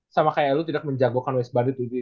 sama kayak elo tidak menjagokan west bandit